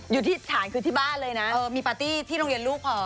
อยู่ที่สถานคือที่บ้านเลยนะมีปาร์ตี้ที่โรงเรียนลูกพอ